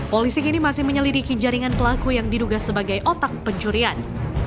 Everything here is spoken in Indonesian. polisi kini masih menyelidiki jaringan pelaku yang diduga sebagai otak pencurian